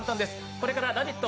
これから「ラヴィット！」